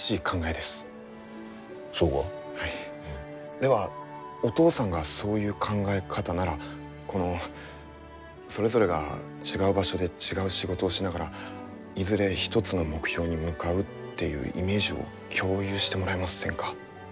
ではお父さんがそういう考え方ならこのそれぞれが違う場所で違う仕事をしながらいずれ一つの目標に向かうっていうイメージを共有してもらえませんか？